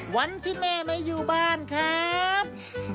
วันที่แม่ไม่อยู่บ้านครับ